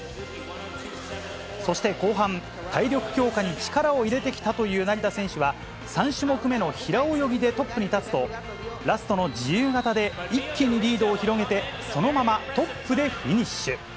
そして後半、体力強化に力を入れてきたという成田選手は、３種目目の平泳ぎでトップに立つと、ラストの自由形で一気にリードを広げて、そのままトップでフィニッシュ。